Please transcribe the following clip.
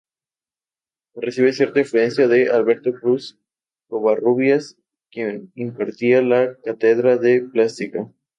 Recibe cierta influencia de Alberto Cruz Covarrubias, quien impartía la cátedra de Plástica.